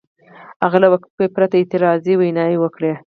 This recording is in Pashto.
هغه له وقفې پرته اعتراضي ویناوې وکړې.